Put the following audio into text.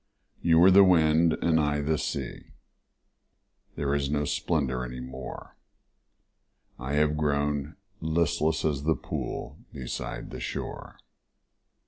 You were the wind and I the sea There is no splendor any more, I have grown listless as the pool Beside the shore.